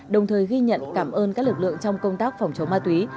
đồng thời ghi nhận cảm ơn các lực lượng trong công tác phòng chống ma túy